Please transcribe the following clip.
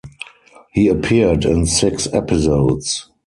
He appeared in six episodes.